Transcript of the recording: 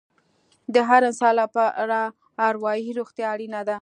د هر انسان لپاره اروايي روغتیا اړینه ده.